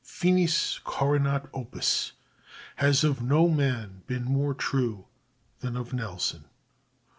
"Finis coronat opus" has of no man been more true than of Nelson.